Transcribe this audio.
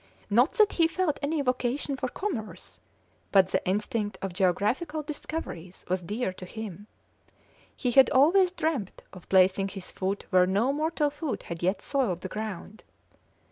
Not that he felt any vocation for commerce, but the instinct of geographical discoveries was dear to him. He had always dreamt of placing his foot where no mortal foot had yet soiled the ground.